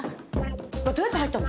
これどうやって入ったの？